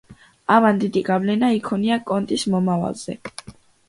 ამან დიდი გავლენა იქონია კონტის მომავალზე.